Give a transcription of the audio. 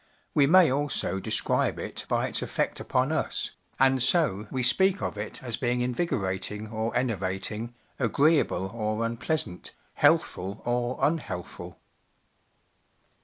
We may also describe it by its effect upon us, and so we speak of it as being invigorating or enerva ting, agreeable or unpleasant, healthful or unhealthful.